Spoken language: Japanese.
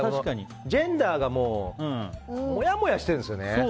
ジェンダーがもやもやしてるんですよね。